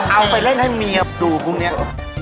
เอาไปเล่นให้เมียดูพวกนี้